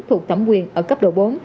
thuộc thẩm quyền ở cấp độ bốn